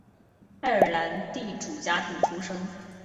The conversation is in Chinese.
爱尔兰地主家庭出身。